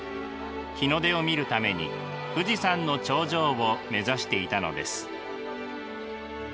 日の出を見るために富士山の頂上を目指していたのです。